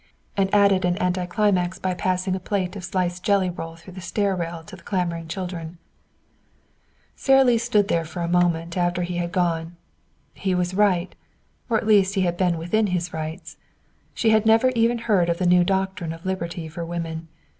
And added an anticlimax by passing a plate of sliced jelly roll through the stair rail to the clamoring children. Sara Lee stood there for a moment after he had gone. He was right, or at least he had been within his rights. She had never even heard of the new doctrine of liberty for women.